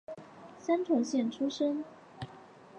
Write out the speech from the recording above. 三重县出身。